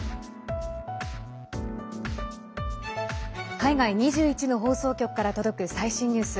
海外２１の放送局から届く最新ニュース。